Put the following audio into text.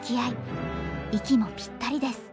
息もぴったりです。